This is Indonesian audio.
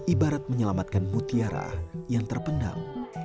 ibarat menyelamatkan mutiara yang terpendam